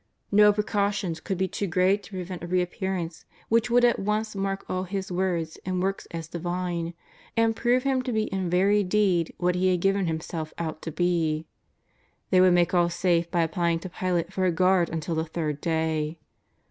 I^o precau tions could be too great to prevent a reappearance which would at once mark all His words and works as divine^ and prove Him to be in very deed what He had given Himself out to be. They would make all safe by ap plying to Pilate for a guard until the third day.